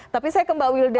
tapi saya ke mbak wilda